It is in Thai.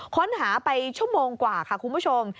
ค้นหาไปชั่วโมงกว่าค่ะคุณผู้ชม